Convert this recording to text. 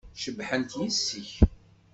Cebḥent yessi-k.